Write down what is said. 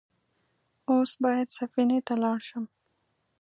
اوس بايد سفينې ته لاړ شم.